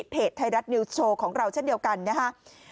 ไทยรัฐนิวส์โชว์ของเราเช่นเดียวกันนะครับ